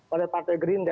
oleh partai gerinda